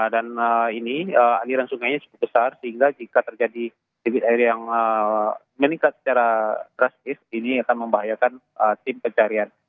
dan ini aliran sungainya cukup besar sehingga jika terjadi dikit air yang meningkat secara drastis ini akan membahayakan tim pencarian